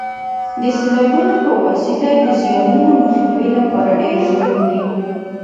د سیلابونو په وسیله د زیانونو مخنیوي لپاره ډېر مهم دي.